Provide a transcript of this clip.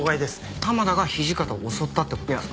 玉田が土方を襲ったって事ですか？